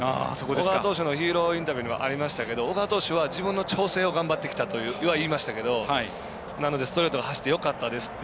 小川投手のヒーローインタビューにもありましたけど、小川投手は自分の調整を頑張ってきたとは言いましたけどなので、ストレートが走ってよかったですと。